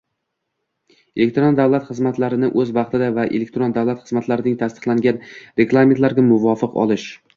elektron davlat xizmatlarini o‘z vaqtida va elektron davlat xizmatlarining tasdiqlangan reglamentlariga muvofiq olish;